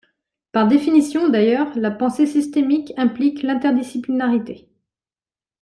Par définition, d'ailleurs, la pensée systémique implique l'interdisciplinarité.